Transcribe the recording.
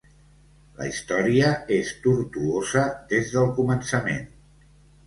La història és tortuosa des del començament.